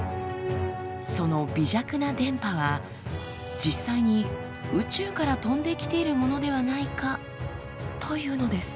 その微弱な電波は実際に宇宙から飛んできているものではないかというのです。